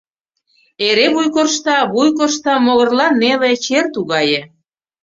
Эре вуй коршта, вуй коршта, могырлан неле... чер тугае.